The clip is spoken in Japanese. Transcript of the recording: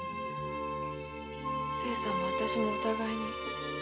清さんもあたしもお互いに。